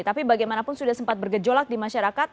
tapi bagaimanapun sudah sempat bergejolak di masyarakat